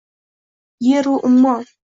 Yeru ummon